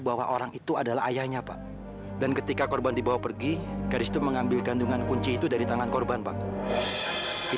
jangan cepat cepat dibawa pulang dalam keadaan seperti ini